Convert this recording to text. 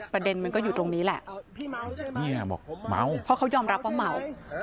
ผมไม่ได้นักเลงนะเอ้า